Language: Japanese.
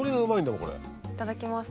いただきます。